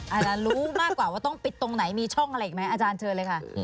อาจารย์รู้มากกว่าว่าต้องปิดตรงไหนมีช่องอะไรอีกไหมอาจารย์เชิญเลยค่ะ